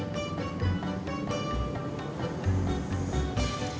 lia kagak nunggu mon seminar